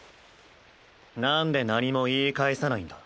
なんで何も言い返さないんだ？